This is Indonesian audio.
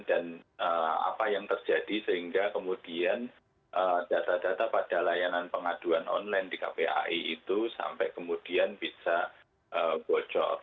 dan apa yang terjadi sehingga kemudian data data pada layanan pengaduan online di kpai itu sampai kemudian bisa bocor